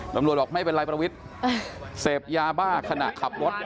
บอกไม่เป็นไรประวิทย์เสพยาบ้าขณะขับรถ